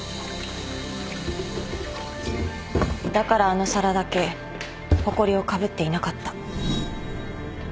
だからあの皿だけほこりをかぶっていなかった。